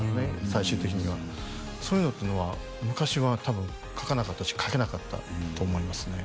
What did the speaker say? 最終的にはそういうのっていうのは昔は多分書かなかったし書けなかったと思いますね